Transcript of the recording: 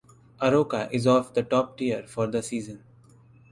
Arouca also of the top tier for the season.